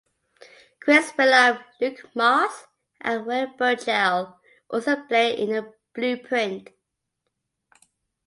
Chris Billam, Luke Moss and Will Burchell also play in The Blueprint.